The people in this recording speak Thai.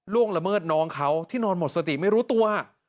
ละเมิดน้องเขาที่นอนหมดสติไม่รู้ตัว